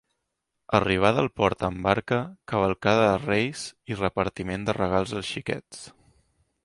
Arribada al port amb barca, cavalcada de Reis i repartiment de regals als xiquets.